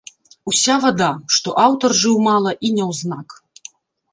Уся вада, што аўтар жыў мала і няўзнак.